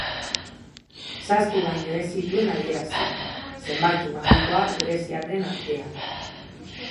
Zazpi baino ez zituen adierazi, zenbaki magikoa greziarren artean.